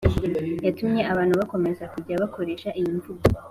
yatumye abantu bakomeza kujya bakoresha iyi mvugo